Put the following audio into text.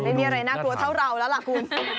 ไม่มีอะไรน่ากลัวเท่าเราแล้วล่ะคุณ